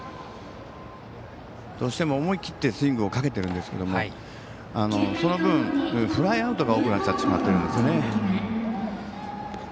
どうしても思い切ってスイングをかけているんですけどその分、フライアウトが多くなってしまってるんですね。